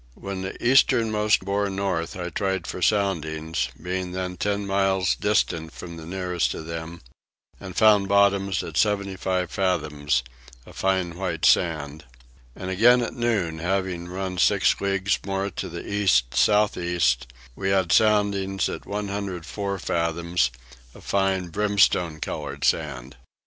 When the easternmost bore north I tried for soundings, being then 10 miles distant from the nearest of them, and found bottom at 75 fathoms, a fine white sand: and again at noon, having run six leagues more to the east south east, we had soundings at 104 fathoms, a fine brimstone coloured sand.